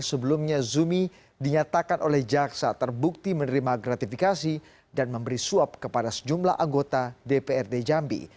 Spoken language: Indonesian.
sebelumnya zumi dinyatakan oleh jaksa terbukti menerima gratifikasi dan memberi suap kepada sejumlah anggota dprd jambi